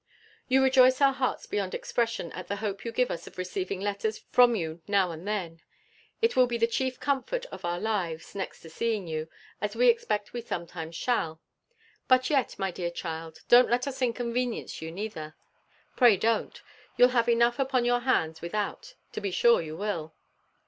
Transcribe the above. You rejoice our hearts beyond expression at the hope you give us of receiving letters from you now and then: it will be the chief comfort of our lives, next to seeing you, as we expect we sometimes shall. But yet, my dear child, don't let us inconvenience you neither. Pray don't; you'll have enough upon your hands without to be sure you will.